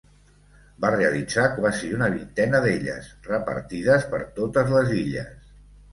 Va realitzar quasi una vintena d'elles, repartides per totes les illes.